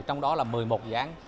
trong đó là một mươi một dán